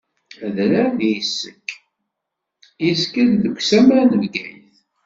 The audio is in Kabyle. Adrar n Yisek yezga-d deg usammar n Bgayet.